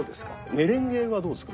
メレンゲはどうですか？